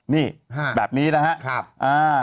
นี่แบบนี้นะฮะ